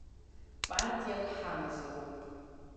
Партиак ҳамазароуп.